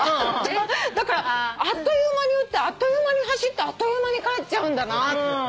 だからあっという間に打ってあっという間に走ってあっという間に帰っちゃうんだなって。